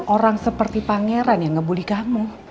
orang seperti pangeran yang ngebully kamu